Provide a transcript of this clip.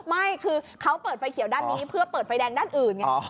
ไม่คือเขาเปิดไฟเขียวด้านนี้เพื่อเปิดไฟแดงด้านอื่นไง